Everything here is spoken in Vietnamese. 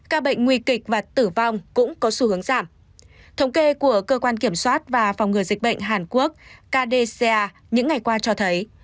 các bệnh nguy kịch và tử vong cũng có xu hướng giảm thống kê của cơ quan kiểm soát và phòng ngừa dịch bệnh hàn quốc kdc những ngày qua cho thấy